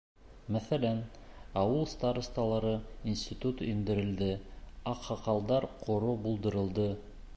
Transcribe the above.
Мәҫәлән, ауыл старосталары институты индерелде, аҡһаҡалдар ҡоро булдырылды.